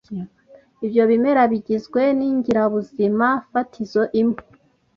Ibyo bimera bigizwe n’ingirabuzima fatizo imwe